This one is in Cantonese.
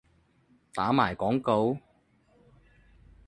打埋廣告？